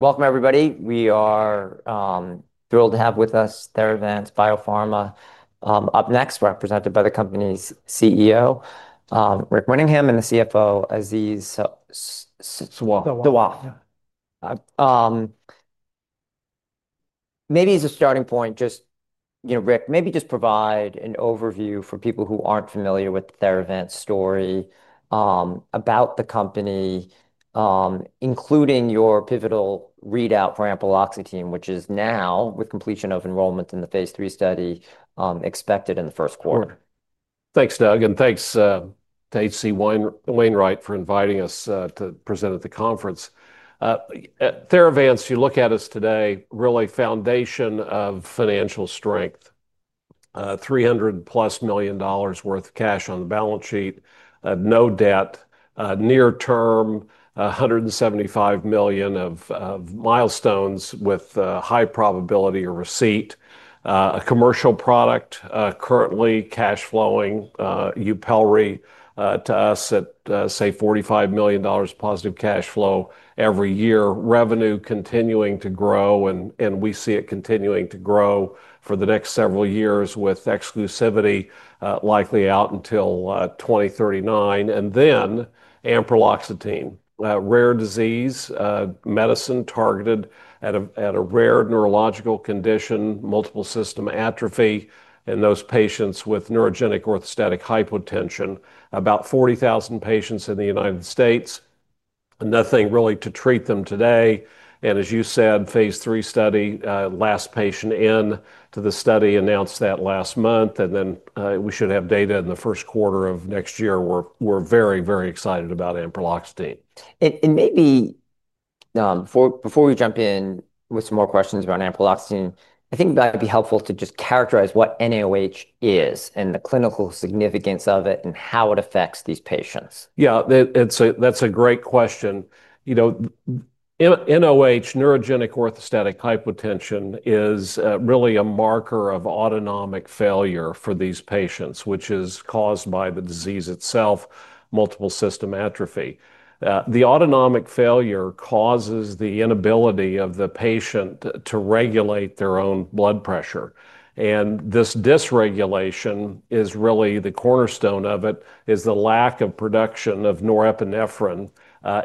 Welcome, everybody. We are thrilled to have with us Theravance Biopharma, up next, represented by the company's CEO, Rick Winningham, and the CFO, Aziz Sawaf. Maybe as a starting point, Rick, maybe just provide an overview for people who aren't familiar with Theravance's story, about the company, including your pivotal readout for the ampreloxetine, which is now, with completion of enrollment in the Phase 3 study, expected in the first quarter. Thanks, Doug, and thanks to H.C. Wainwright for inviting us to present at the conference. Theravance Biopharma, you look at us today, really, foundation of financial strength, $300 million plus worth of cash on the balance sheet, no debt, near-term, $175 million of milestones with a high probability of receipt, a commercial product, currently cash-flowing, YUPELRI, to us at, say, $45 million positive cash flow every year, revenue continuing to grow, and we see it continuing to grow for the next several years with exclusivity, likely out until 2039. Ampreloxetine, rare disease, medicine targeted at a rare neurological condition, multiple system atrophy, and those patients with neurogenic orthostatic hypotension, about 40,000 patients in the U.S., nothing really to treat them today. As you said, Phase 3 study, last patient in to the study announced that last month, and we should have data in the first quarter of next year. We're very, very excited about ampreloxetine. Maybe before we jump in with some more questions about ampreloxetine, I think it might be helpful to just characterize what NOH is and the clinical significance of it and how it affects these patients. Yeah, that's a great question. You know, NOH, neurogenic orthostatic hypotension, is really a marker of autonomic failure for these patients, which is caused by the disease itself, multiple system atrophy. The autonomic failure causes the inability of the patient to regulate their own blood pressure. This dysregulation is really the cornerstone of it, is the lack of production of norepinephrine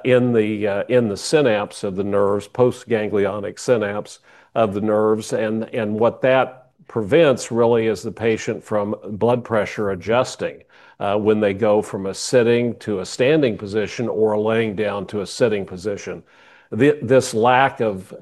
in the synapse of the nerves, post-ganglionic synapse of the nerves. What that prevents really is the patient from blood pressure adjusting when they go from a sitting to a standing position or laying down to a sitting position. This lack of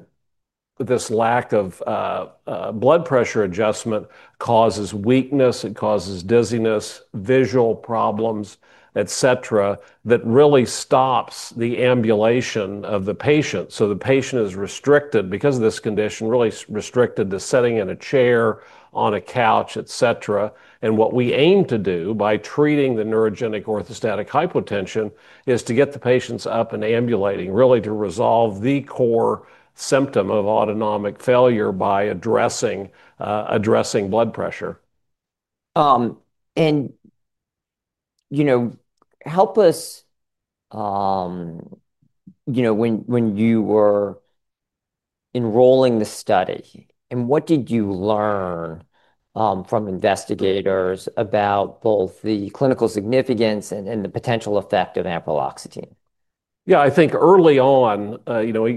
blood pressure adjustment causes weakness, dizziness, visual problems, et cetera, that really stops the ambulation of the patient. The patient is restricted because of this condition, really restricted to sitting in a chair, on a couch, et cetera. What we aim to do by treating the neurogenic orthostatic hypotension is to get the patients up and ambulating, really to resolve the core symptom of autonomic failure by addressing blood pressure. Help us, when you were enrolling the study, what did you learn from investigators about both the clinical significance and the potential effect of ampreloxetine? Yeah, I think early on,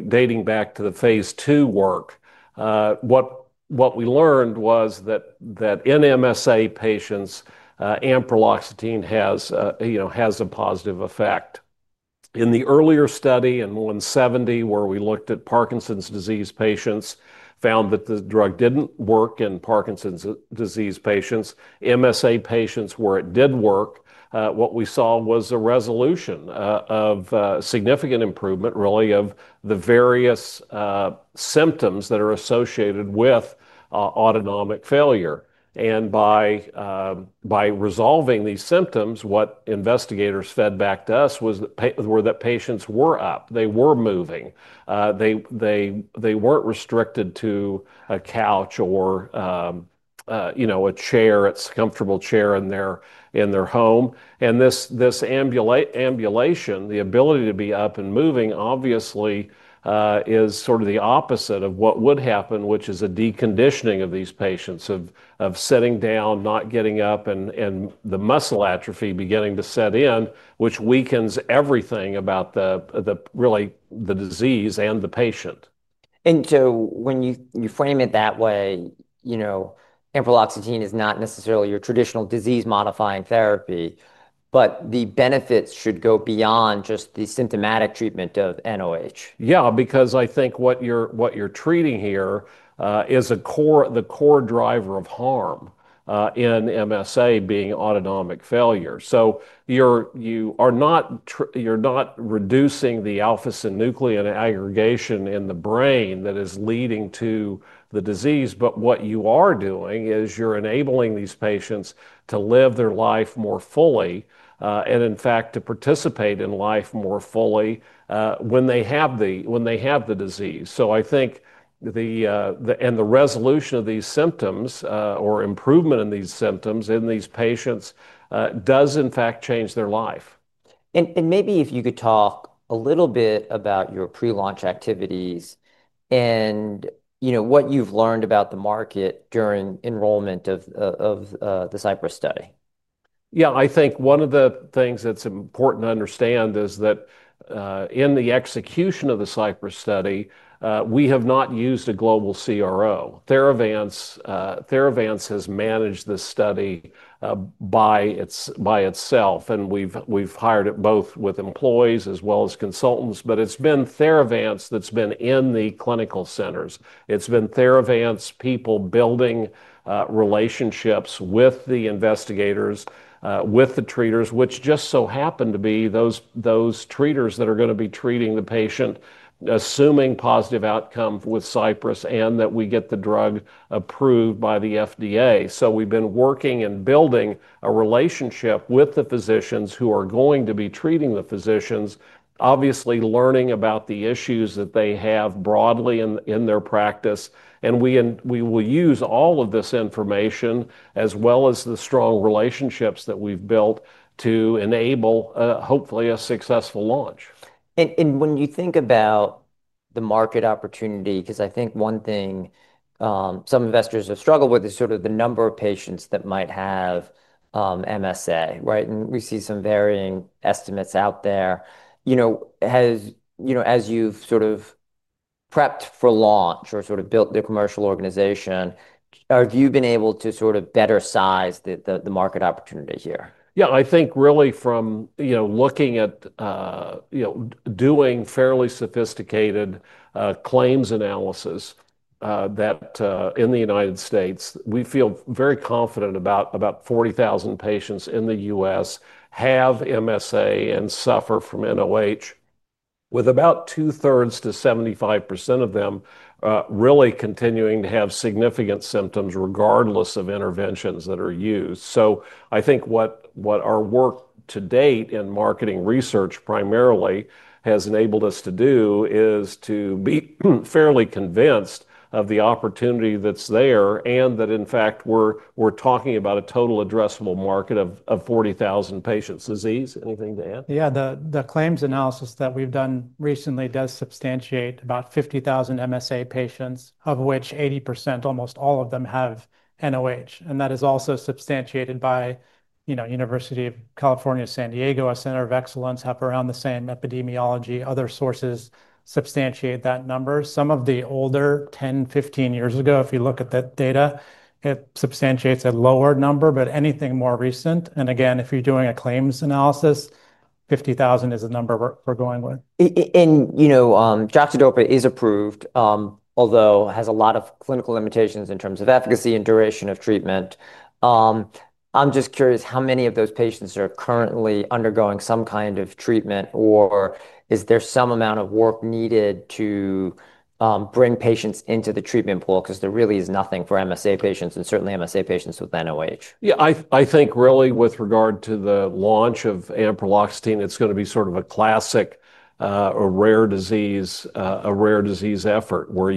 dating back to the Phase 2 work, what we learned was that in MSA patients, ampreloxetine has a positive effect. In the earlier study in 2017 where we looked at Parkinson's disease patients, found that the drug didn't work in Parkinson's disease patients. MSA patients where it did work, what we saw was a resolution of significant improvement, really, of the various symptoms that are associated with autonomic failure. By resolving these symptoms, what investigators fed back to us were that patients were up. They were moving. They weren't restricted to a couch or, you know, a chair, a comfortable chair in their home. This ambulation, the ability to be up and moving, obviously is sort of the opposite of what would happen, which is a deconditioning of these patients, of sitting down, not getting up, and the muscle atrophy beginning to set in, which weakens everything about the really the disease and the patient. When you frame it that way, you know, ampreloxetine is not necessarily your traditional disease-modifying therapy, but the benefits should go beyond just the symptomatic treatment of NOH. Yeah, because I think what you're treating here is the core driver of harm in multiple system atrophy being autonomic failure. You're not reducing the alpha synuclein aggregation in the brain that is leading to the disease, but what you are doing is you're enabling these patients to live their life more fully and, in fact, to participate in life more fully when they have the disease. I think the resolution of these symptoms or improvement in these symptoms in these patients does, in fact, change their life. Maybe if you could talk a little bit about your pre-launch activities and what you've learned about the market during enrollment of the CYPRESS study. Yeah, I think one of the things that's important to understand is that in the execution of the CYPRESS study, we have not used a global CRO. Theravance Biopharma has managed this study by itself, and we've hired it both with employees as well as consultants, but it's been Theravance Biopharma that's been in the clinical centers. It's been Theravance Biopharma people building relationships with the investigators, with the treaters, which just so happened to be those treaters that are going to be treating the patient, assuming positive outcome with CYPRESS and that we get the drug approved by the FDA. We've been working and building a relationship with the physicians who are going to be treating the physicians, obviously learning about the issues that they have broadly in their practice. We will use all of this information as well as the strong relationships that we've built to enable, hopefully, a successful launch. When you think about the market opportunity, because I think one thing some investors have struggled with is sort of the number of patients that might have multiple system atrophy (MSA), right? We see some varying estimates out there. As you've sort of prepped for launch or built the commercial organization, have you been able to better size the market opportunity here? I think really from looking at doing fairly sophisticated claims analysis that in the U.S., we feel very confident about about 40,000 patients in the U.S. have multiple system atrophy (MSA) and suffer from neurogenic orthostatic hypotension (NOH), with about two-thirds to 75% of them really continuing to have significant symptoms regardless of interventions that are used. I think what our work to date in marketing research primarily has enabled us to do is to be fairly convinced of the opportunity that's there and that, in fact, we're talking about a total addressable market of 40,000 patients. Aziz, anything to add? Yeah, the claims analysis that we've done recently does substantiate about 50,000 MSA patients, of which 80%, almost all of them, have NOH. That is also substantiated by University of California, San Diego, a center of excellence up around the same epidemiology. Other sources substantiate that number. Some of the older, 10, 15 years ago, if you look at that data, it substantiates a lower number, but anything more recent, and again, if you're doing a claims analysis, 50,000 is the number we're going with. Droxidopa is approved, although it has a lot of clinical limitations in terms of efficacy and duration of treatment. I'm just curious how many of those patients are currently undergoing some kind of treatment, or is there some amount of work needed to bring patients into the treatment pool because there really is nothing for MSA patients and certainly MSA patients with NOH? Yeah, I think really with regard to the launch of ampreloxetine, it's going to be sort of a classic rare disease effort where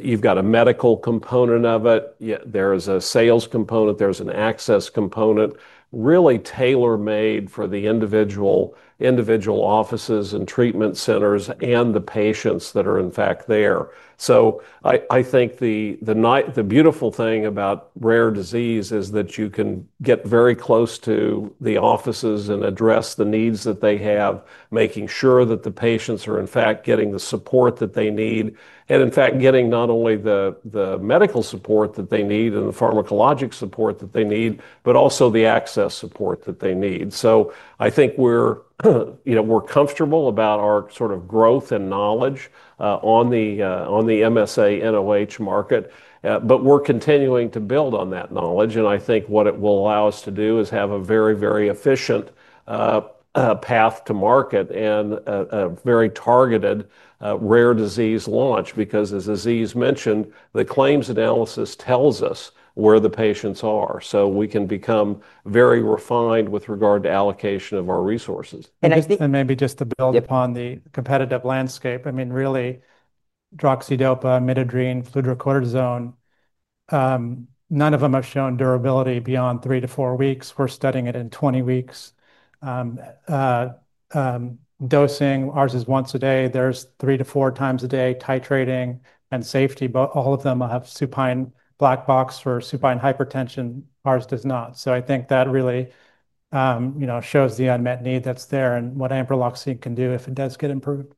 you've got a medical component of it. There is a sales component. There's an access component, really tailor-made for the individual offices and treatment centers and the patients that are, in fact, there. I think the beautiful thing about rare disease is that you can get very close to the offices and address the needs that they have, making sure that the patients are, in fact, getting the support that they need and, in fact, getting not only the medical support that they need and the pharmacologic support that they need, but also the access support that they need. I think we're comfortable about our sort of growth and knowledge on the MSA NOH market, but we're continuing to build on that knowledge. I think what it will allow us to do is have a very, very efficient path to market and a very targeted rare disease launch because, as Aziz mentioned, the claims analysis tells us where the patients are. We can become very refined with regard to allocation of our resources. I think maybe just to build upon the competitive landscape, really, droxidopa, midodrine, fludrocortisone, none of them have shown durability beyond three to four weeks. We're studying it in 20 weeks. Dosing, ours is once a day. Theirs is three to four times a day, titrating, and safety, but all of them will have black box for supine hypertension. Ours does not. I think that really shows the unmet need that's there and what ampreloxetine can do if it does get approved.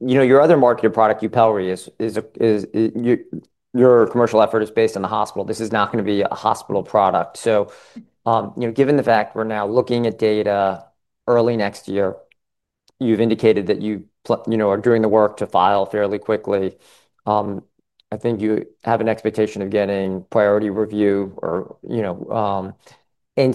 Your other market product, YUPELRI, your commercial effort is based in the hospital. This is now going to be a hospital product. Given the fact we're now looking at data early next year, you've indicated that you are doing the work to file fairly quickly. I think you have an expectation of getting priority review, and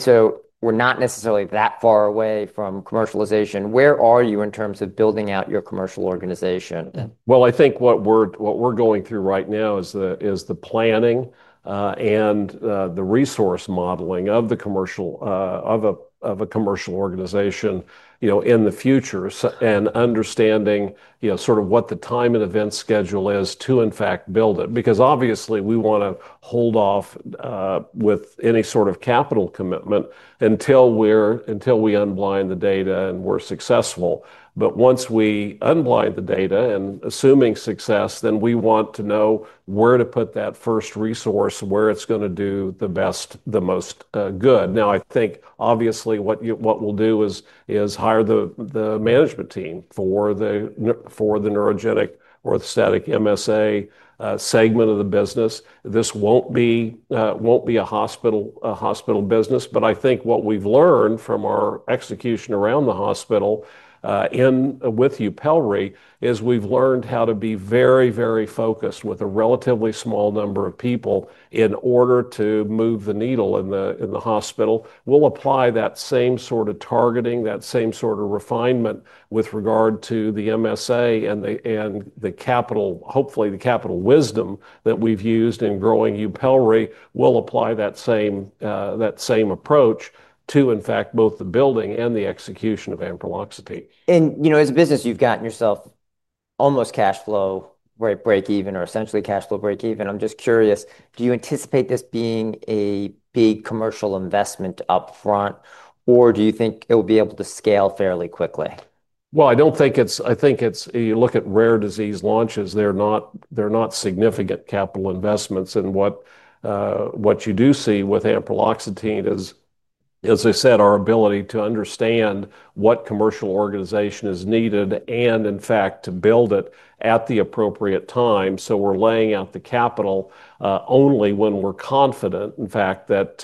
we're not necessarily that far away from commercialization. Where are you in terms of building out your commercial organization? I think what we're going through right now is the planning and the resource modeling of a commercial organization in the future and understanding what the time and event schedule is to, in fact, build it. Obviously, we want to hold off with any sort of capital commitment until we unblind the data and we're successful. Once we unblind the data and assuming success, then we want to know where to put that first resource, where it's going to do the best, the most good. I think obviously what we'll do is hire the management team for the neurogenic orthostatic hypotension multiple system atrophy segment of the business. This won't be a hospital business, but I think what we've learned from our execution around the hospital with YUPELRI is we've learned how to be very, very focused with a relatively small number of people in order to move the needle in the hospital. We'll apply that same sort of targeting, that same sort of refinement with regard to the multiple system atrophy and the capital, hopefully the capital wisdom that we've used in growing YUPELRI. We'll apply that same approach to, in fact, both the building and the execution of ampreloxetine. As a business, you've gotten yourself almost cash flow break even or essentially cash flow break even. I'm just curious, do you anticipate this being a big commercial investment upfront or do you think it will be able to scale fairly quickly? I think you look at rare disease launches. They're not significant capital investments. What you do see with ampreloxetine is, as I said, our ability to understand what commercial organization is needed and, in fact, to build it at the appropriate time. We're laying out the capital only when we're confident, in fact, that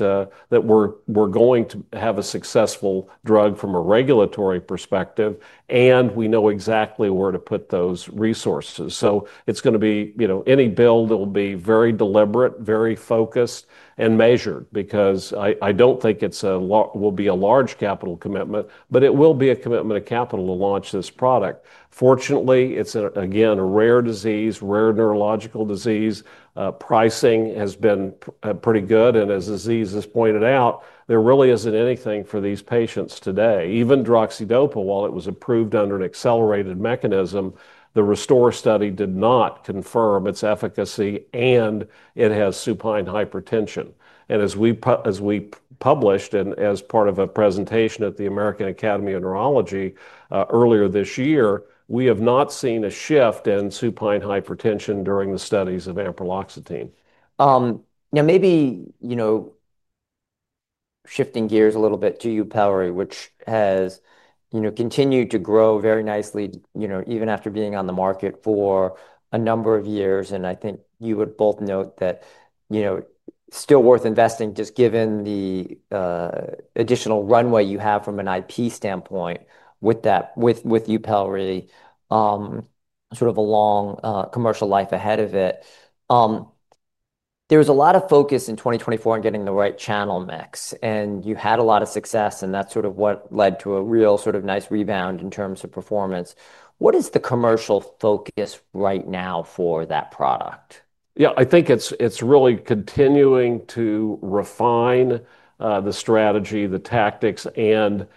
we're going to have a successful drug from a regulatory perspective, and we know exactly where to put those resources. It's going to be, you know, any build will be very deliberate, very focused, and measured because I don't think it will be a large capital commitment, but it will be a commitment of capital to launch this product. Fortunately, it's, again, a rare disease, rare neurological disease. Pricing has been pretty good, and as Aziz has pointed out, there really isn't anything for these patients today. Even droxidopa, while it was approved under an accelerated mechanism, the RESTORE study did not confirm its efficacy, and it has supine hypertension. As we published and as part of a presentation at the American Academy of Neurology earlier this year, we have not seen a shift in supine hypertension during the studies of ampreloxetine. Now, maybe shifting gears a little bit to YUPELRI, which has continued to grow very nicely, even after being on the market for a number of years. I think you would both note that it's still worth investing just given the additional runway you have from an IP standpoint with YUPELRI, sort of a long commercial life ahead of it. There was a lot of focus in 2024 on getting the right channel mix, and you had a lot of success, and that's what led to a real nice rebound in terms of performance. What is the commercial focus right now for that product? Yeah, I think it's really continuing to refine the strategy, the tactics, and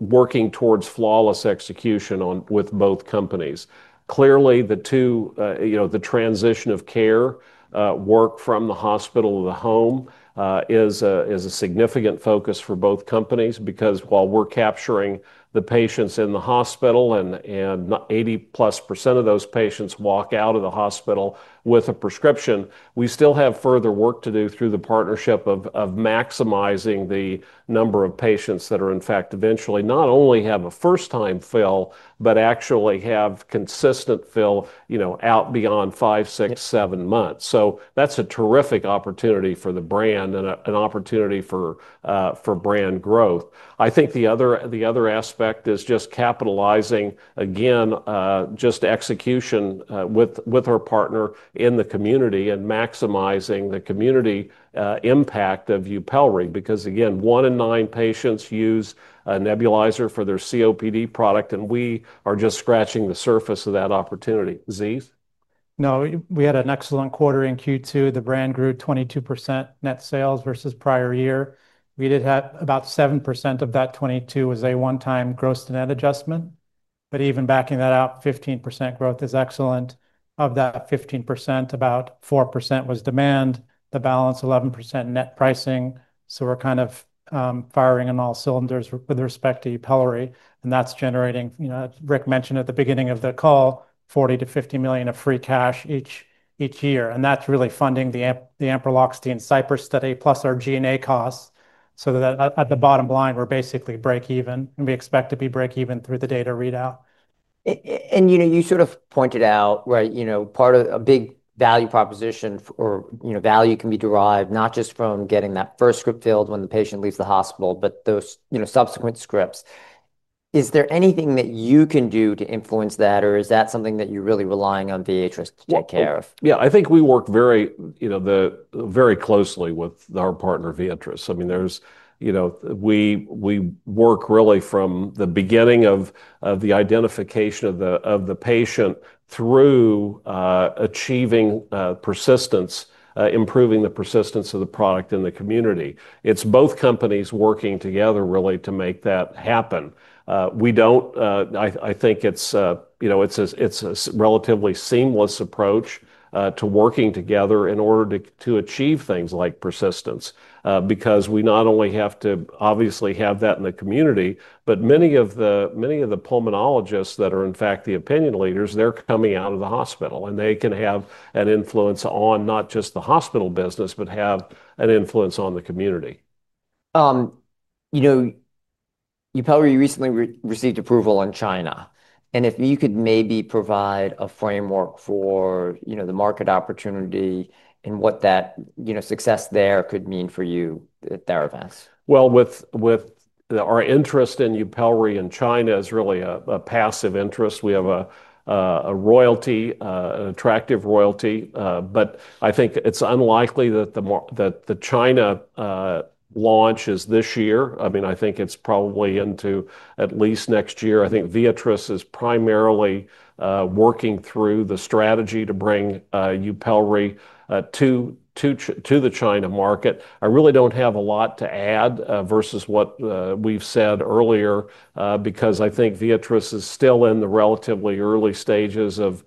working towards flawless execution with both companies. Clearly, the transition of care work from the hospital to the home is a significant focus for both companies because while we're capturing the patients in the hospital, and 80+% of those patients walk out of the hospital with a prescription, we still have further work to do through the partnership of maximizing the number of patients that are, in fact, eventually not only have a first-time fill, but actually have consistent fill, you know, out beyond five, six, seven months. That's a terrific opportunity for the brand and an opportunity for brand growth. I think the other aspect is just capitalizing, again, just execution with our partner in the community and maximizing the community impact of YUPELRI because, again, one in nine patients use a nebulizer for their COPD product, and we are just scratching the surface of that opportunity. Aziz? No, we had an excellent quarter in Q2. The brand grew 22% net sales versus prior year. We did have about 7% of that 22% was a one-time gross to net adjustment, but even backing that up, 15% growth is excellent. Of that 15%, about 4% was demand. The balance, 11% net pricing. We're kind of firing on all cylinders with respect to YUPELRI, and that's generating, you know, as Rick mentioned at the beginning of the call, $40 to $50 million of free cash each year. That's really funding the ampreloxetine CYPRESS study plus our G&A costs. At the bottom line, we're basically break even, and we expect to be break even through the data readout. You sort of pointed out, right, part of a big value proposition or value can be derived not just from getting that first script filled when the patient leaves the hospital, but those subsequent scripts. Is there anything that you can do to influence that, or is that something that you're really relying on Viatris to take care of? Yeah, I think we work very, you know, very closely with our partner, Viatris. I mean, there's, you know, we work really from the beginning of the identification of the patient through achieving persistence, improving the persistence of the product in the community. It's both companies working together really to make that happen. I think it's, you know, it's a relatively seamless approach to working together in order to achieve things like persistence because we not only have to obviously have that in the community, but many of the pulmonologists that are, in fact, the opinion leaders, they're coming out of the hospital, and they can have an influence on not just the hospital business, but have an influence on the community. You know, YUPELRI recently received approval in China, and if you could maybe provide a framework for, you know, the market opportunity and what that, you know, success there could mean for you at Theravance. Our interest in YUPELRI in China is really a passive interest. We have a royalty, an attractive royalty, but I think it's unlikely that the China launch is this year. I think it's probably into at least next year. I think Viatris is primarily working through the strategy to bring YUPELRI to the China market. I really don't have a lot to add versus what we've said earlier because I think Viatris is still in the relatively early stages of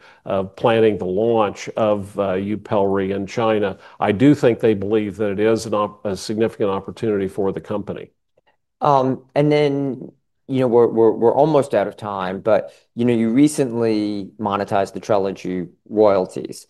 planning the launch of YUPELRI in China. I do think they believe that it is a significant opportunity for the company. We're almost out of time, but you recently monetized the Trilogy royalties.